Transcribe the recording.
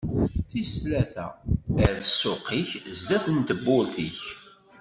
Tis tlata: Err ssuq-ik sdat n tewwurt-ik.